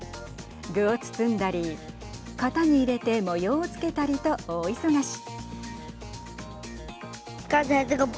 具を包んだり型に入れて模様をつけたりと大忙し。